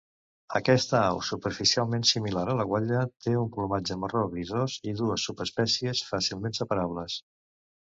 Aquesta au superficialment similar a la guatlla té un plomatge marró grisós i dues subespècies fàcilment separables.